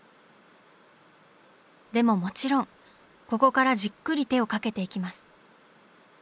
でももちろんここからじっくり手をかけていきます。